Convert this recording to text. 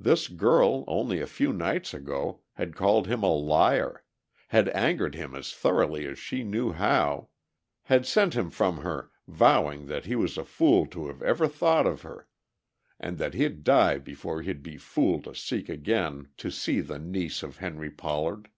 This girl, only a few nights ago, had called him a liar, had angered him as thoroughly as she knew how, had sent him from her vowing that he was a fool to have ever thought of her, and that he'd die before he'd be fool to seek again to see the niece of Henry Pollard.